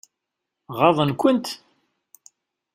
Ɣaḍen-kent?